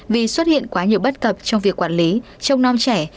vì xuất hiện quá nhiều bất cập trong việc quản lý trông non trẻ